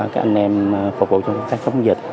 các anh em phục vụ cho công tác chống dịch